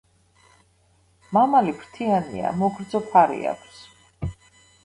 მამალი ფრთიანია, მოგრძო ფარი აქვს.